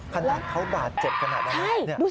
ขนาดเขาบาดเจ็บขนาดนั้น